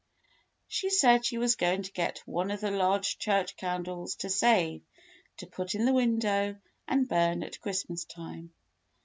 She said she was going to get one of the large church candles to save to put in the window and burn at Christmas time.